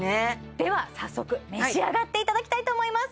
では早速召し上がっていただきたいと思います